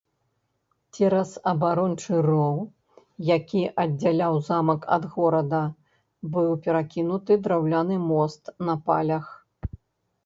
Цераз абарончы роў, які аддзяляў замак ад горада, быў перакінуты драўляны мост на палях.